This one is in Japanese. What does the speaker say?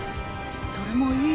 それもいい。